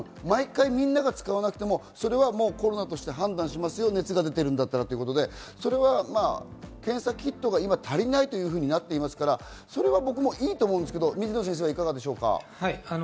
毎回みんなが使わなくてもコロナとして判断しますよということで、検査キットが今、足りないというふうになっていますから、僕もいいと思うんですけど、水野先生はいかがでしょうか？